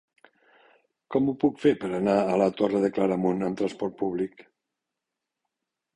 Com ho puc fer per anar a la Torre de Claramunt amb trasport públic?